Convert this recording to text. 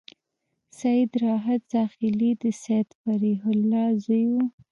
سید راحت زاخيلي د سید فریح الله زوی و.